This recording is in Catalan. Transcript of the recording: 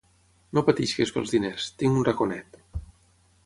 No pateixis pels diners, tinc un raconet.